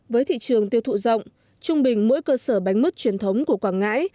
với thị trường tiêu thụ rộng trung bình mỗi cơ sở bánh mứt truyền thống của quảng ngãi